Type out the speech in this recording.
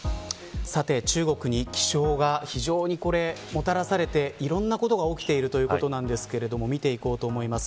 さて、中国に気象が非常にもたらされて、いろんなことが起きているということですが見ていこうと思います。